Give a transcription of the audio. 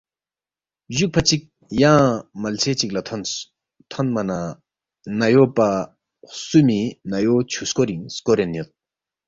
جُوکفا چِک ینگ ملسے چِک لہ تھونس، تھونما نہ نَیو پا خسُومی نَیو چھُو سکورِنگ سکورین یود